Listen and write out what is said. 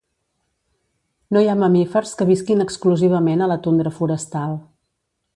No hi ha mamífers que visquin exclusivament a la tundra forestal.